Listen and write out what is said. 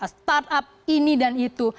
startup ini dan itu